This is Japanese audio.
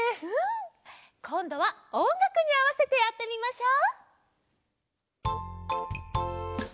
こんどはおんがくにあわせてやってみましょう！